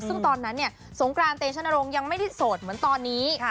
ซึ่งตอนนั้นเนี่ยสงกรานเตชนรงค์ยังไม่ได้โสดเหมือนตอนนี้